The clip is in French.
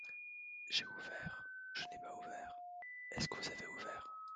J'ai ouvert, je n'ai pas ouvert. Est-ce que vous avez ouvert ?